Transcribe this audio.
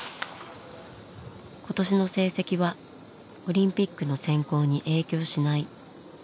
今年の成績はオリンピックの選考に影響しない。